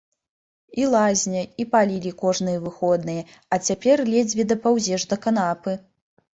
І лазня, і палілі кожныя выходныя, а цяпер ледзьве дапаўзеш да канапы.